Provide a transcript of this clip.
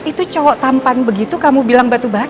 itu cowok tampan begitu kamu bilang batu bara